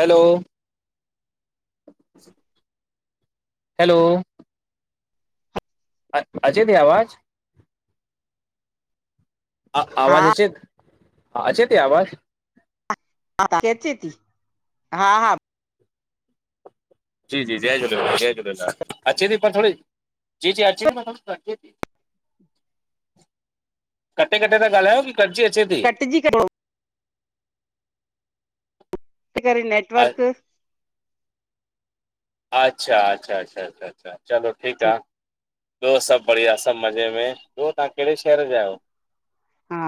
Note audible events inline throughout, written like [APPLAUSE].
हलो hello अ अचे ती आवाज़? अ आवाज़ हा अचे हा अचे ती आवाज़? ह अचे ती हा हा, जी जी जय झूलेलाल जय झूलेलाल अचे ती पर थोड़ी जी जी अचे ती मलब अचे [INAUDIBLE] कटे कटे त ॻालायो की कटजी अचे ती। कटजी कट त करे अ- नेटवर्क अच्छा अच्छा अच्छा अच्छा चलो ठीकु आ। ॿियो सभु बढ़िया सभु मज़े में ॿियो तव्हां कहिड़े शहर जा आहियो? हा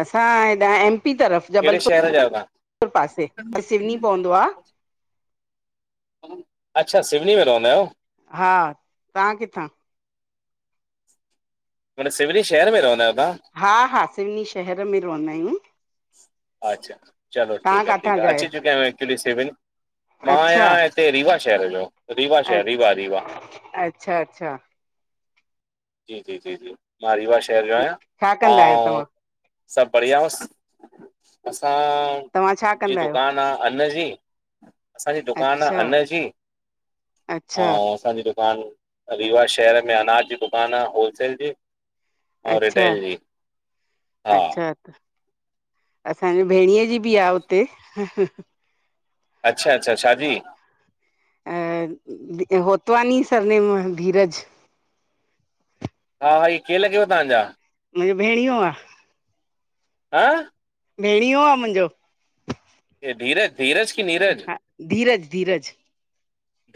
असां हेॾा एमपी तरफ कहिड़े शहर जा आहियो तव्हां? जबलपुर पासे सिवनी पवंदो आ अच्छा सिवनी में रहंदा आयो। हा तां किथां? मतिलबु सिवरी शहर में रहंदा आहियो तां। हा हा सिवनी शहर में रहंदा आहियूं। अच्छा, चलो तव्हां ठीकु आ काथां ठीकु आ, जा आहियो अची चुकि आया एक्चुली सेवीग। मां अच्छा आहियां हिते रीवा शहर जो, रीवा अ शहर रीवा रीवा। अच्छा अच्छा जी जी जी जी मां रीवा शहर जो आहियां छा कंदा आहियो तव्हां अऊं सभु बढ़िया होसि, असां तव्हां छा जी कंदा आहियो दुकानु आ अन्न जी असांजी दुकानु आ अच्छा अन्न जी, अच्छा अऊं असांजी दुकानु, रीवा शहर में अनाज जी दुकानु आ होलसेल जी। अऊं अच्छा रिटेल जी, हा। असांजे भेणीेऐ जी बि आ हुते। अच्छा अच्छा शादी अ होतवानी सरनेम धीरज। हा वरि केर लॻेव तव्हांजा? मुंहिंजो भेणीयो आ। हा। भेणियो आ मुंहिंजो। हे धीरज, धीरज की नीरज? हा धीरज धीरज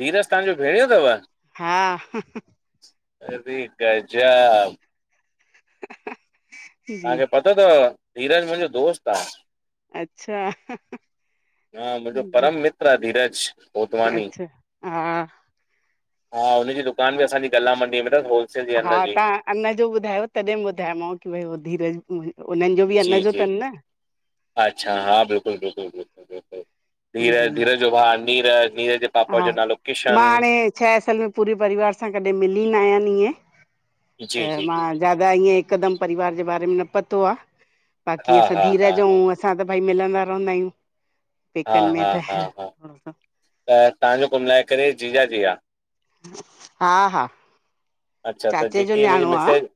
धीरज तव्हांजो भेणियो तव? हा। अरे गजब जी तव्हांखे पतो तव, धीरज मुंहिंजो दोस्त आ। अच्छा, जी। उतरा धीरज होतवानी अच्छा हा हा हुनजी दुकान बि असांजी गला मंडीअ में तस होल हा तां अन्न जो ॿुधायो तॾहिं मां ॿुधायो माव की भई उवो धीरज मु उननि जो बि जी अन्न जो जी तनि न। अच्छा हा बिल्कुलु बिल्कुलु बिल्कुलु बिल्कुलु जी धीरज, धीरज जो भा नीरज जो पापा हा नालो मां किशन हाणे छाहे असल पुरे परिवार सा कॾे मिली न आयानि इएं, जी त जी मा जी जा जी त हीय हिकदमु परिवार जे बारे में न पतो आ, बाक़ी हा असां हा हा धीरज अऊं हा अ असां त भाई मिलंदा रहंदा आहियूं, हा पेकनि में हा त हा ह हा त तव्हांजो कुल मिलाए करे जीजाजी आ। हा हा। अच्छा त चाचे जो जेके हिनजी न्याणो आहे मिसेज,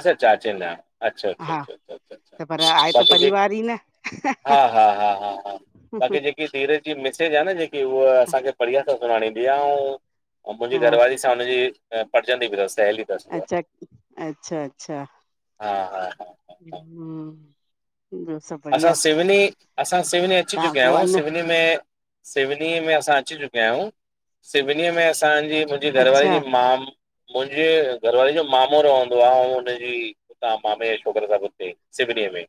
असां चा चइंदा आहियूं। अच्छा अच्छा हा अच्छा अच्छा अच्छा अच्छा, त पर आहे त बाक़ी जे परिवार ई न हा हा हा हा हा। हुहु हिय धीरज जी मिसेज आ न जेकी उव असांखे बढ़िया सां सुञाणींदी आहे। अऊं मुंजी हा घरवारी सां हुनजी पटजंदी बि तस सहेली अथसि उहा अच्छा अच्छा अच्छा हा हा हा हा हा। ॿियो सभ असां सिवनी असां सिवनी अची तव्हां चुकिया पोइ आयूं अञा सिवनी में सिवनी में असां अची चुकिया आयूं सिवनी में असांजी मुंजी घरवारी अच्छा जी माम मुंजे घरवारी जो मामो रवंदो आ अऊं हुनजी हुतां मामे जे शोकरे सा सब हुते सिविनीअ में।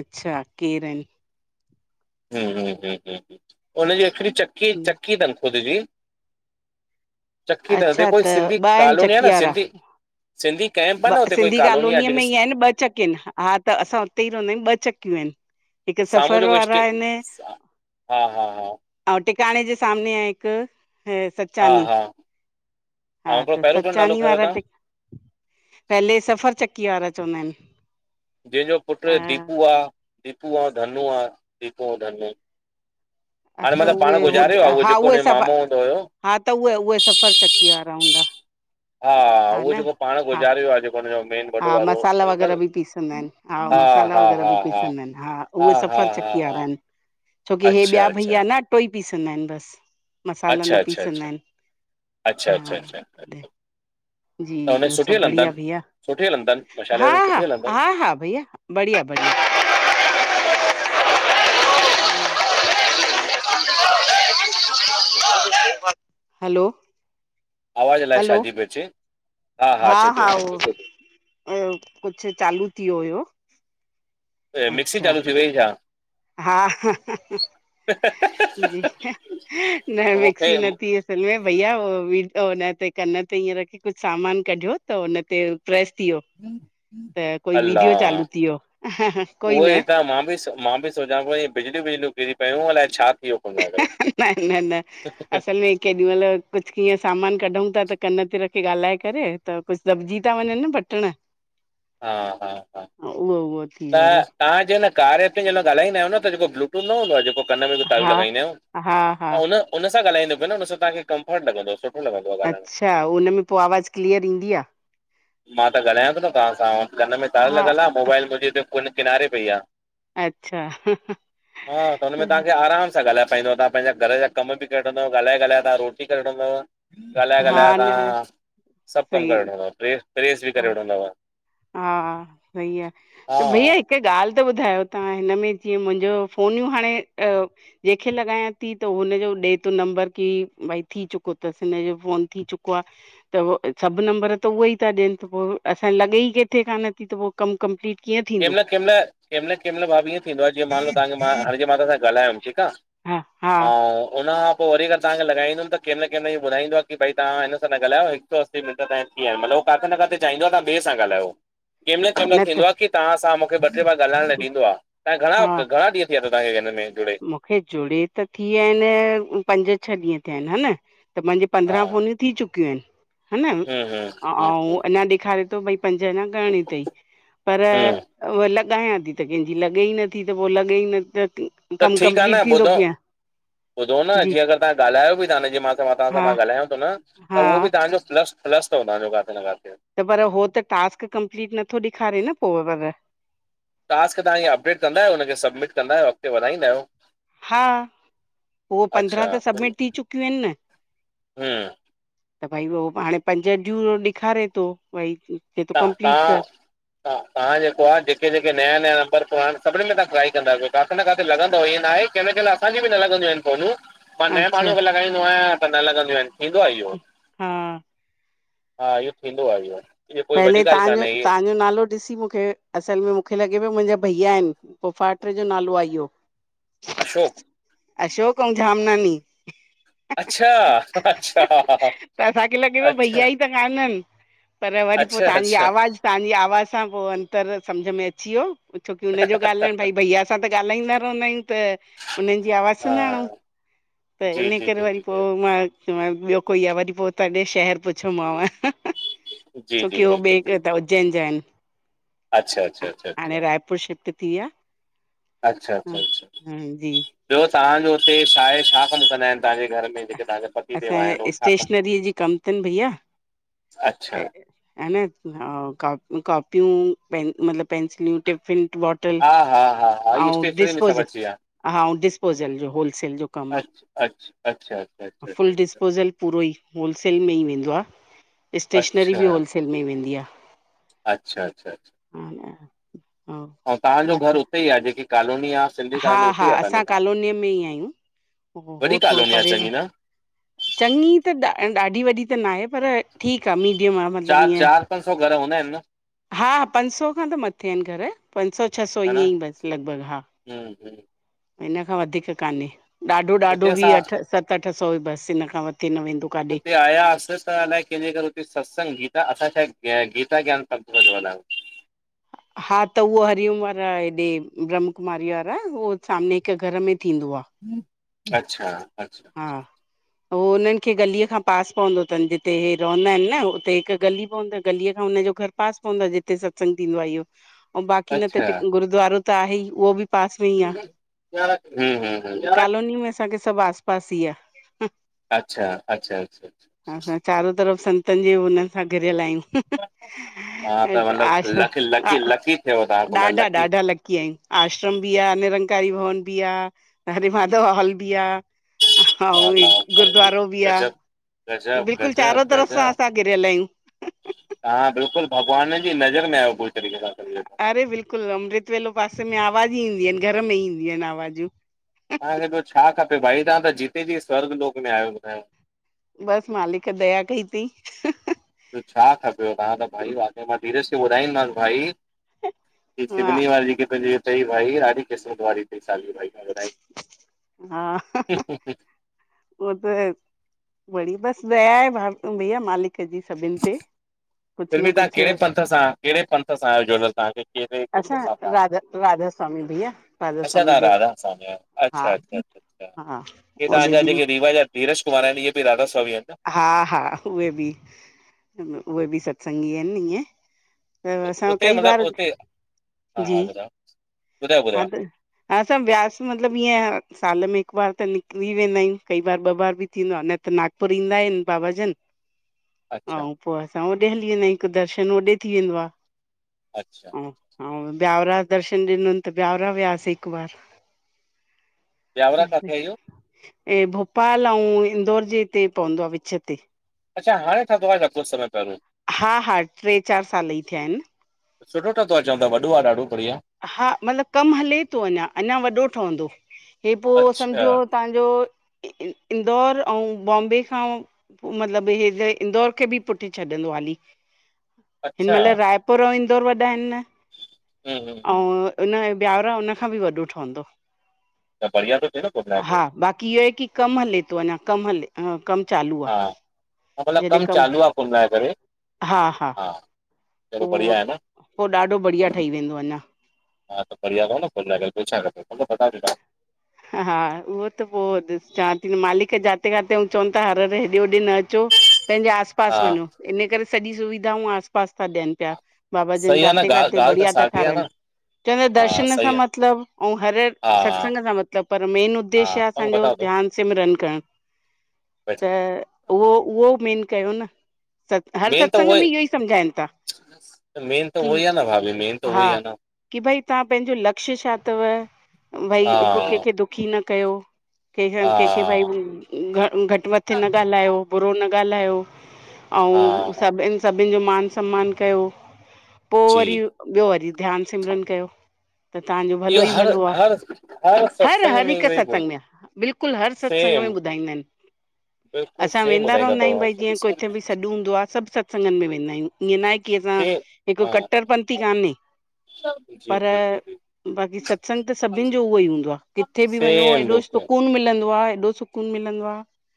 अच्छा केरल। हूं हूं हूं हूं ह उनजी हिकड़ी चकी आहिनि चकी तन खुदजी। चकी थन अच्छा कोई त सिंधी ॿ आहिनि कालोनी आ न चकी वारा सिंधी सिंधी कैंप आहे न हुते कोई सिंधी कॉलोनी आहे कॉलोनीअ जेके में ई आहिन ॿ चकिन हा त असां उते ही रहंदा आयूं ॿ चक्कियूं आइन। हिते साम्हूं सफ़र जो कोई वारा स्टे आइन। हा हा हा अऊं टिकाणे जे सामने आ हिक हे हा हा सचानी हा हा ऐं हिकिड़ो त पहिरियों कहिड़ो नालो सचानी खयों वारा तव्हां त पेले सफ़र चकी वारा चवंदा आहिन। जेंजो पुट्र दीपू आ दीपू अऊं धनु आ दीपू अऊं धनु। हा हाणे त मतलब पाण उहे गुज़ारे वियो आ होॾे उहो हा जेको उहे हुनजो सफ़र मामो हूंदो हुयो? हा त उवे उवे सफ़र चकी वारा हूंदा। हा उहो न जेको पाण हा गुज़ारे वियो आ जेको हुनजो मेन वॾो हा वारो मसाला वग़ैरह अंकल। बि पीसंदा आहिनि हा मसाला हा वग़ैरह हा बि हा पीसंदा आइन हा उहे हा सफ़र हा चकी हा वारा आइन। छोकी हे अच्छा ॿिया भइया अच्छा न अटो ई पीसंदा आहिन बस। मसाला अच्छा न अच्छा अच्छा पीसंदा आइन अच्छा अच्छा हा। अच्छा जी त हुन ॿियो सुठी सब हलनि बढ़िया तनि भईया सुठी हलनि तनि मशाले हा वारनि सुठी हा हलनि तनि हा हा भईया। बढ़िया बढ़िया हलो आवाज़ अलाए हलो शाजी पई अचे। हा अचे थी हा अचे थी उओ, कुछ, चालू थी वियो हुयो। हे, मिक्सी अच्छा चालू थी वई छा? हा, जी, न मूंखे मिक्सी न, असल, में भईया व, हुन ते कन ते हीअं, रखी कुछ सामान कढियो त हुन ते प्रेस थी, वियो। त कोई अल्ला वीडियो चालू थी वियो, कोई न। न मां बि त मां, बि सोचां पियो इये बिजलियूं विजलियूं किरी पयूं अलाए छा थी वियो कोन लाइ करे न न न असल में केॾी मल कुछ कीअं सामान कढऊं ता त कन ते रखी ॻाल्हाए करे त कुछ दॿजी ता वञन न बटण। हा हा हा उहो उहो थी त वियो हुयो तव्हां जेंमल कार्य ते जेंमल ॻालाईंदा आयो न त जेको ब्लूटूथ न हूंदो आ जेको कन में जो तारूं हा लॻाईंदा आयूं हा हा त उन उनसां ॻालाईंदा कयो न उनसां तांखे कंफर्ट लॻंदो। लॻंदो आहे ॻाल्हाइण अच्छा, उन में पो आवाज़ क्लीअर ईंदी आ। मां त ॻाल्हायां तो, तव्हां सां कन में तार आहे हा लॻल आ, मोबाइल मुंजे हिते उन किनारे पई आ, अच्छा हा कन में तांखे आराम सां सां ॻाल्हाए पाईंदव तां पैंजा घर जा कम बि करे वठंदव ॻालाए ॻाल्हाए तां रोटी करे वठंदव। ॻाल्हााए- हा ॻाल्हाए न तव्हां, सभु कमु सही करे वठंदव प्रे, प्रेस बि करे वठंदव। हा सही आहे, हा त भईया मूंखे ॻाल्हि त ॿुधायो तव्हां, हिन में जीअं मुंहिंजो फोनियूं हाणे अ जेंखे लॻायां थी, त हुनजो ॾे त नंबर की भाई थी चुको अथसि, हिनजो फोन थी चुको आहे त, सभु नंबर त उह ई था। ॾियनि त पोइ, असांजी लॻे ई किथे कोन थी त पोइ कम कंप्लीट कीअं थे कंहिं मइल कहि महिल, कहिं महिल कें महिल भाभी ईअं थींदो आहे, जीअं मानलो तव्हांखे मां हांण जे मां तां सां ॻाल्हायमि ठीकु आहे। [UNINTELLIGIBLE] हा उन खां पोइ वरी अरि तव्हां लॻाईंदमि त कहिं महिल कहिं महिल ॿुधाईंदो आहे। त कि भई तहां हिन सां न ॻाल्हायो, हिकु सौ असी मिंट त [UNINTELLIGIBLE] कीअं, मतिलबह काथे न काथे, चाहींदो आहे त् व्हां ॿे सां ॻाल्हायो। कंहिं महिल कंहिं महिलं न थींदो त आह, की तहां सां मूंखे ॿ टे, बार ॻाल्हाइण ॾींदो आह, तहां घणा, हा घणा ॾींहं [UNINTELLIGIBLE] तव्हांखे के में जुड़े [UNINTELLIGIBLE] मूंखे जुड़े त थी विया आहिनि, पंज छह ॾींहं थिया आहिनि हा न, त मुंहिंजी हा पंद्रहं फोनियूं थी चुकियूं आहिनि हा न, हम्म ऐं अऊं अञां ॾेखारे थो भई पंज अञा करणी अथई, पर हम्म उहा लॻायां थी त कंहिंजी लॻे ई नथी त पोइ लॻे ई न [UNINTELLIGIBLE] त कमु ठीकु आहे न कंप्लीट थींदो ॿुधो कीअं? ॿुधो न जी जीअं अगर तव्हां ॻाल्हयो बि था न, जीअं तवां सां हा मां ॻाल्हायां थो न हा त उहो बि त्हांजो प्लस-प्लस अथव तव्हांजो काथ न काथे। त पर हो त टास्क कंपलीट नथो ॾेखारे न पोइ पर। टास्क तव्हां अपडेट कंदा आहियो। हुनखे सबमिट कंदा आहियो, अॻते वधाईंदा आहियो? हा, उहो पंद्रहां अच्छा त सबमिट थी चुकियूं आहिनि न। हम्म त भई उहो हाणे पंज ड्यू, हू ॾेखारे थो भई, थो त, ता कंप्लीट कर हा तव्हां जेको आहे जेके-जेके नया-नया नंबर आहिनि सभिनी में तव्हां ट्राए कंदा कयो [UNINTELLIGIBLE] न काथे लॻंदव, ई न आहे कि न कि ल असां जूं बि न लॻंदियूं आहिनि फोनूं [UNINTELLIGIBLE] पर नए अच्छा माण्हू खे लॻाईंदो आहियां त न लगॻंदियूं आहिनि, थींदो आहे इहो। हा हा इहो, थींदो आहे इहो। इहा कोई वॾी पहले ॻाल्हि कान्हे इहे तव्हांजो-तव्हांजो नालो ॾिसी मूंखे असल में मूंखे लॻे पियो मुंहिंजा भईया आहिनि, फुफाट, जो नालो आहे इहो। अशोक अशोक ऐं झामनानी। अच्छा, अच्छा ह अच्छा सुञाननि, पर वरी पोइ अच्छा तव्हांजी अच्छा आवाज़ु [UNINTELLIGIBLE] तव्हांजी आवाज़ सां पोइ अंतर समुझ में अची वियो, छोकी हुनजो ॻालाइण भई भईया असां त ॻाल्हाईंदा रहंदा आहियूं त उन्हनि जी आवाज़ हा सुञाणूं, त जी इन जी करे जी वरी जी जी पोइ मां मां ॿियो कोई आहे, वरी पोइ तॾहिं शहर पुछियोमांव जी जी जी छोकी हो जी ॿिए जी क त जी उज्जैन जा आहिनि। अच्छा अचछा अछ अछा पाे शिपट थी विया अच्छा अच्छा ह अचछा जी ॿियो तव्हांजो हुते छा आहे, छा कमु कंदा आहिनि तव्हांजे घर में जेके तव्हांखे असांजे स्टेशनरीअ जी कमु अथनि भईया अच्छा हन कापियूं मतलबु पेंसिलियूं टिफिन वॉट बाेटल हा हा हा हा इहा आऊ स्टेशनरी में सभु डिस्पोज अची विया हा ऐं डिस्पोजल जो होलसेल जो कम आ। अ्छ अच्छा अ। फुल डिस्पोज़ल पूरो ई होलसेल में ई वेंदो आ स्टेशनरी बि अच्छा होलसेल। सेल मे वेंदी आ। अच्छा अच्छा। हा यार। अऊ तव्हांजो घर उते ई आह जेकी कॉलोनी आ? हा हा असां कालोनीअ में ई आहियूं वॾी हो थोरो कॉलोनी आहे परे चङी र। न चंगी त ॾाढी वॾी त न आहे पर ठीक आ मीडियम आह मतलब चार चार ईअं। पंज सौ घर हूंदा आहिनि न हा पंन्च सौ खां त मथे आहिन घर पंच सौ छह सौ ईअं ई बस लॻभॻ हा। हं हं। इन खां वधीक कान्हे ॾाढो उते ॾाढो बि असां अठ सत अठ सौ बस हिनन खा मथे न वेंदो। काॾे हुते आयासीं त अलाए। कहंजे घर हुते सत्संग गीता असां छा गीता ज्ञान पंथ सा जुरियल आयू। हा त उहो हरिओम वारा हेॾे ब्रह्माकुमारी वारा उहो सामने हिक घर में थींदो आ। अच्छा अच्छा। हा। अच्छा हो हुनन् खे गलीअ खां पास पवंदो थन् जिते हे रहंदा आहिन न हुते हिक गली पवी गलीअ खां हुन घर। पास पवंदो आ जिते सत्संग थींदो आहे इहो बाक़ी न अच्छा त गुरूद्वारो त आहे ई उहो बि। पास में ई आ, हम्म हम्म हम्म कॉलोनी में असांखे। सभ आस पास ई आ। अच्छा अच्छा अच्छाअच्छा। चारो तरफ़ संतन जे हुनसां घेरयल तव्हां आहियूं। त मतिलबु आशा लकी लकी लकी थियव तव्हां त ॾाढा लकी ॾाढा लॻ। कीअं आश्रम बि आ, निरंकारी भवन बि आहे हरे माधव हॉल बि आ। हां उवो अल्लाह इ भाई गुरुद्वारो बि आ। गजब गजब गजब गज़ब। असां घिरियल आहियूं तां बिल्कुल भॻवान जी नज़र में आयो पूरी तरीक़े सां। करे वेठो। अरे बिल्कुल अमृतवेलो पासे में आ आवाज ईंदी आहिन घर में ईंदियूं आहिन आवाजूं। तांखे त छा खपे भाई तां त जिते जी स्वार्ग लोक में आयो ॿुधायो। बस मालिक दया कई थई। त छा खपेव भा त भई वाकई मां धीरज खे ॿुधाईंदाव भाई। के हा सिवली वारी के कयो उथे भाई ॾाडी किसमत वारीथई साली भाई। हेलो भाई। उहा त वड़ी बस दया आहे भईया मालिक जी सभिन ते। कुझु फिर बि न तां कुझु केहड़े पंथ सां केहड़े पंथ सां आहियो जुड़ियल तांखे केहड़े गुरू असां सां? अच्छा राधा राधा स्वामी भईया राधा असां त स्वामी जो राधा स्‍वामी अहियूं। हा अच्छा। अछा हा ए ओॾे तांजा बि जेके रीवा जा धिरज कुमार आहिन इहे बि राधा स्वामी आहिन् न। हा हा उहे बि उहे बि सत्संगी आहिन ईअं। त न असां उते कई बार मतिलबु उते हा जी। हा ॿुधायो ॿुधायो हा ॿुधायो त। हा असां ब्यास मतलब ईअं साल में हिक बार त निकिमरी वेंदा आहियूं कई बार ॿ बार बि थींदो आ न। त नागपुर ईंदा आहिन बाबाजन। [INAUDIBLE] अच्छा अऊ पो असां होॾे हली वेंदा आहिं हिक दर्शन होॾे थी वेंदो आ। अच्छा। अऊं ब्यावरा दर्शन ॾिनन त ब्यावरा वयासीं हिक बार। ब्यावरा किथे आहे इहो ऐं भोपाल आऊं इंदौर जे हिते पवंदो आ विच ते। अच्छा हाणे ठतो आहे छा कुझु समय पहिरियों हा हा ट्रे चार साल ई थिया आहिन। सुठो ठातो आ चवन वॾो आ ॾढो बढ़िया। हा मतलब कम हले तो अञा अञा वॾो ठहंदो हे पो अच्छा सम्झो तहांजो इ इंदौर आऊं बॉम्बे खां। मतलब हे त इंदौर खे बि पुठे छॾंदो हाली। अच्छा हिनमल रायपुर आऊं इंदौर वॾा आहिन। हा हा हा, हुन ब्यावरा हुन खां बि वॾो ठहंदो त बढ़िया थो थिए न कुल मिलाए करे हा बाक़ी इहो आए की कम हले तो अञा कम हले अ कम चालू आ। हा हा मतलब कम चालू आ कुल मिलाये करे हा। पो चलो बढ़िया आहे न पो ॾाढो बढ़िया ठही वेंदो अञा। हा त बढ़िया तव न कुल मिलाये करे बियो छा खपे, [UNINTELLIGIBLE] हा उहो त पो ॾिस चावा ती मालिक जाथे काथे ऐं चवन था हर हर हेॾे होॾे न अचो। पेंजे आस पास हा वञो इन करे सॼी सुविधाऊं आस पास ता ॾियन पया। बाबा जन सही आहे न जाते काथे ॻाल्हि ॻाल्हि त बढ़िया था साॻी आहे ठारहन। न चवंदा आए हा दर्शन सां सही आहे मतलब आऊं हर हा सत्संग सां मतलब पर मेन उ्देश्य हा आ पंग असांजो बताओ तो ध्यान न सिमरन करण त उहो उहो मेन कयो न। सत हर मेन उहो सत्संग में इहो ई सम्झाइन ता। त मेन त उहो ही आ न भा हा की भई तहां पंहिंजो लक्ष्य छा तव भई हिक हा केखे दुखी न कयो केखे केंखे भई हा घ घट मथे न ॻाल्हायो बुरो न ॻाल्हायो आऊं हा सभिन सभिन जो मान सम्मान कयो पो जी वरी। ॿियो वरी ध्यान सिमरन कयो त तहांजो इहो भलो ई हर भलो आ। हर हर सत्संग हर में हिक इहो ई बोल सत्संग में आ बिल्कुल हर सत्संग में सेम ॿुधाईंदा आहिन। बिल्कुलु असां सेम वेंदा ॿुधाईंदा रहंदा आयूं भई अथव जीअं सेम कथे बि सॾ हूंदो आ सभ सत्संगन में वेंदा आयूं। ईअं न आहे की असां हिक हा कटरपंती कान्हे। जी पर जी जी जी बाक़ी सत्संग त सभिन जो उहो ई हूंदो आहे किथे बि वञो सेम एॾो बिल्कुलु सुकून मिलंदो आ एॾो सुकून मिलंदो आ।